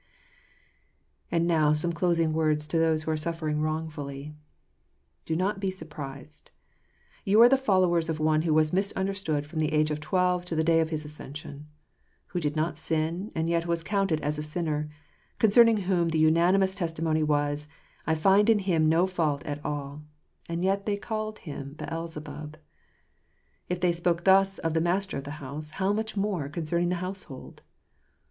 And now some closing words to those who are suffering wrongfully . Do not be surprised. You are the followers of One who was misunderstood from the age of twelve to the day of his ascension ; who did not sin, and yet was counted as a sinner • concerning whom the unanimous testimony was, "I find in Him no fault at all "; and yet they called Him Beelzebub ! If they spoke thus of the Master of the house, how much more concerning the household!